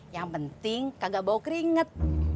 yang penting kagak bau keringet